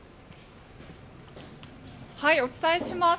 お伝えします。